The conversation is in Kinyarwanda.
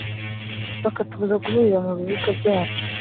bakatubuza guhurira mu bibuga byacu.